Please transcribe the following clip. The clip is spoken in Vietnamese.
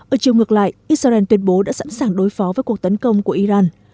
ở chiều ngược lại israel tuyên bố đã sẵn sàng đối phó với cuộc tấn công của iran